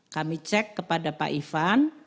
kami cek kepada pak ivan